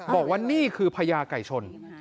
บอกว่านี่คือพญาไก่ชน